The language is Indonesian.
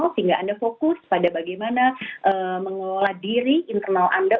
sehingga anda fokus pada bagaimana mengelola diri internal anda